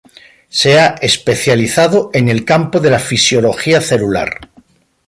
Se ha especializado en el campo de la Fisiología celular.